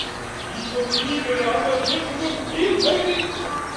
Die Motive der Engagierten sind vielfältig.